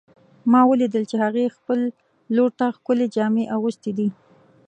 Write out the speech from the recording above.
ما ولیدل چې هغې خپل لور ته ښکلې جامې اغوستې دي